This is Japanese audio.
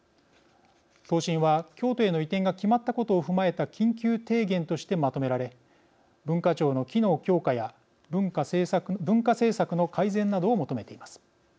答申は京都への移転が決まったことを踏まえた緊急提言としてまとめられ文化庁の機能強化や文化政策の改善などを求めています。